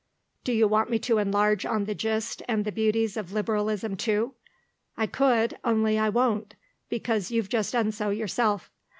Do you want me to enlarge on the gist and the beauties of Liberalism too? I could, only I won't, because you've just done so yourself.